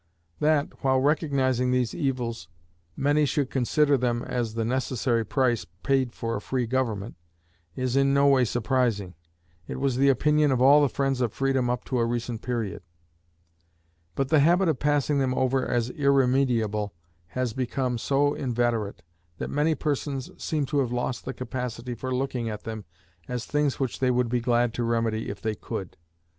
That, while recognizing these evils, many should consider them as the necessary price paid for a free government, is in no way surprising; it was the opinion of all the friends of freedom up to a recent period. But the habit of passing them over as irremediable has become so inveterate, that many persons seem to have lost the capacity of looking at them as things which they would be glad to remedy if they could.